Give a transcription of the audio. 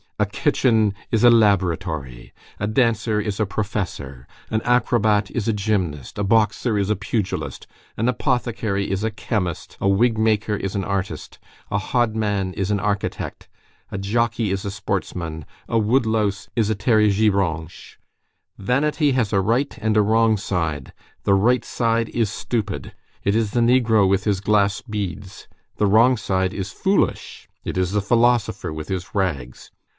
a kitchen is a laboratory, a dancer is a professor, an acrobat is a gymnast, a boxer is a pugilist, an apothecary is a chemist, a wigmaker is an artist, a hodman is an architect, a jockey is a sportsman, a wood louse is a pterigybranche. Vanity has a right and a wrong side; the right side is stupid, it is the negro with his glass beads; the wrong side is foolish, it is the philosopher with his rags.